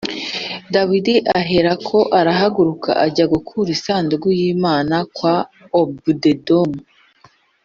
Dawidi aherako arahaguruka ajya gukura isanduku y’Imana kwa Obededomu